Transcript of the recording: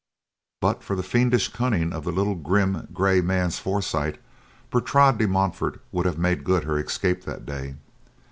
But for the fiendish cunning of the little grim, gray man's foresight, Bertrade de Montfort would have made good her escape that day.